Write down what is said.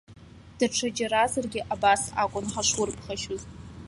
Даҽаџьаразаргьы абас акәын ҳашурԥхашьоз.